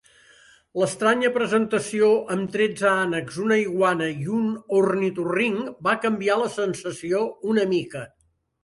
L'estranya presentació amb tretze ànecs, una iguana i un ornitorrinc va canviar la sensació una mica.